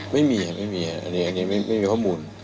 ไม่มีไม่มีอันนี้ไม่มีข้อมูล